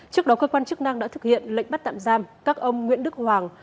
trước đó cơ quan chức năng đã thực hiện lệnh bắt tạm giam các ông nguyễn đức hoàng